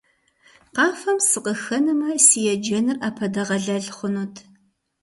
Къафэм сыкъыхэнэмэ, си еджэныр Ӏэпэдэгъэлэл хъунут.